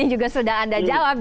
yang juga sudah anda jawab